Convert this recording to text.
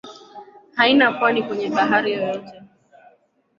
Haina pwani kwenye bahari yoyote.